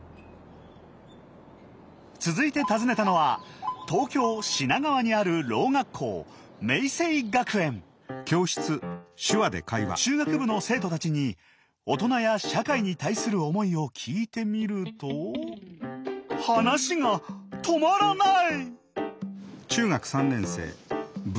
続いて訪ねたのは東京・品川にあるろう学校中学部の生徒たちに大人や社会に対する思いを聞いてみると話が止まらない！